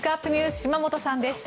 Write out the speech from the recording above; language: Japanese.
島本さんです。